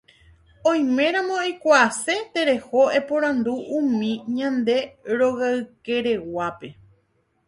oiméramo eikuaase tereho eporandu umi ñande rogaykereguápe